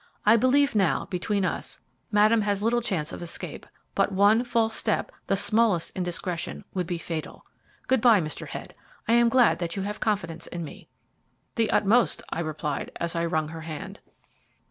I believe now, between us, Madame has little chance of escape; but one false step, the smallest indiscretion, would be fatal. Good bye, Mr. Head. I am glad that you have confidence in me." "The utmost," I replied, as I wrung her hand.